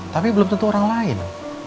tapi belum tentu orang lain